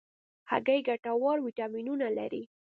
هګۍ ګټور ویټامینونه لري.